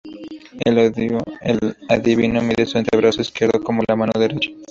El adivino mide su antebrazo izquierdo con la mano derecha.